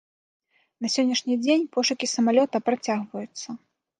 На сённяшні дзень пошукі самалёта працягваюцца.